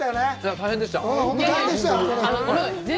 大変でしたね。